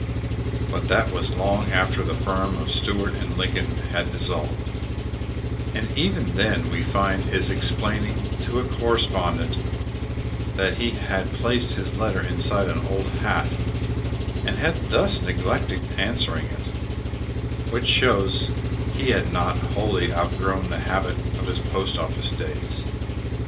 1 But that was long after the firm of Stuart & Lincoln had dissolved, and even then we find him explaining to a correspondent that he had placed his letter inside an old hat and had thus neglected answering it, which shows he had not wholly outgrown the habit of his post office days.